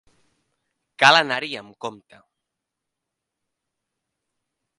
Cal anar-hi amb compte.